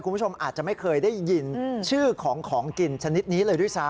คุณผู้ชมอาจจะไม่เคยได้ยินชื่อของของกินชนิดนี้เลยด้วยซ้ำ